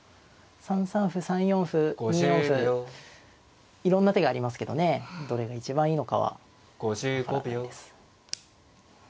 ３三歩３四歩２四歩いろんな手がありますけどねどれが一番いいのかは分からないです。